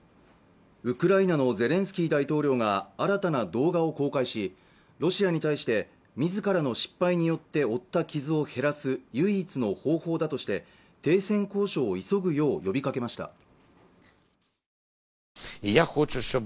ウクライナのゼレンスキー大統領が新たな動画を公開しロシアに対して自らの失敗によって負った傷を減らす唯一の方法だとして停戦交渉を急ぐよう呼びかけました